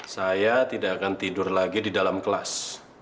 saya tidak akan tidur lagi di dalam kelas